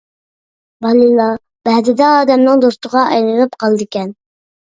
بالىلار بەزىدە ئادەمنىڭ دوستىغا ئايلىنىپ قالىدىكەن.